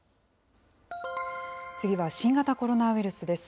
次は新型コロナウイルスです。